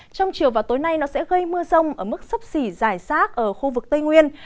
trong chiều và tối nay nó sẽ gây mưa rông ở mức sấp xỉ giải sát ở khu vực tây nguyên